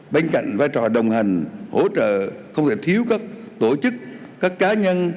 bên cạnh vai trò đồng hành hỗ trợ không thể thiếu các tổ chức các cá nhân